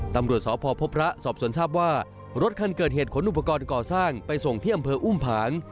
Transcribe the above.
ตำรวจสพพพระสอบสวนทราบว่ารถคันเกิดเหตุขนอุปกรณ์ก่อสร้างไปส่งที่อำเภออุ้มผาง